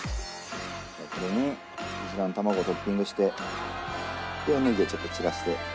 これにうずらの卵をトッピングしてでネギをちょっと散らして。